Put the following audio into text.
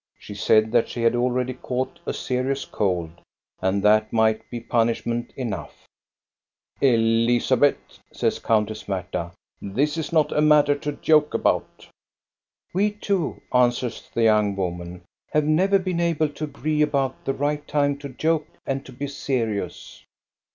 She said that she had already caught a serious cold, and that might be punish ment enough. "Elizabeth," says Countess Marta, "this is not a atter Jo joke about." 270 THE STORY OF GOSTA BE RUNG We two," answers the young woman, " have never been able to agree about the right time to joke and to be serious."